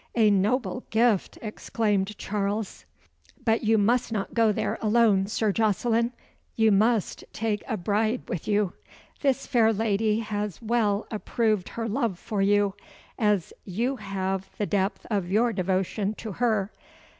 "A noble gift!" exclaimed Charles. "But you must not go there alone, Sir Jocelyn. You must take a bride with you. This fair lady has well approved her love for you as you have the depth of your devotion to her.